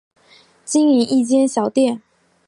经营一间小店